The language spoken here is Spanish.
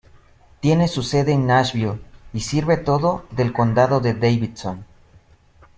Tiene su sede en Nashville y sirve todo del Condado de Davidson.